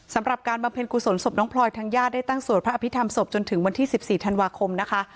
สำหรับการบำเพ็ญกุศลศพน้องพลอยทางญาติได้ตั้งสวดพระอภิษฐรรศพจนถึงวันที่๑๔ธันวาคมนะคะ